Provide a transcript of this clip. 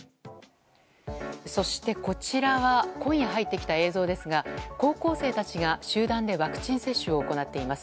そして、こちらは今夜入ってきた映像ですが高校生たちが集団でワクチン接種を行っています。